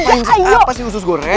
lo ngapain sih apa sih usus goreng